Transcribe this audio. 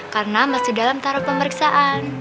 karena mas di dalam taruh pemeriksaan